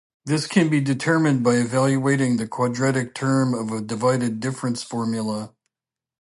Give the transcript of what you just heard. That can be determined by evaluating the quadratic term of a divided difference formula.